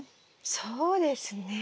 そうですね。